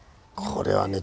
これはね